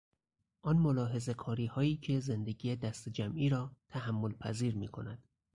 آن ملاحظهکاریهایی که زندگی دستهجمعی را تحملپذیر میکند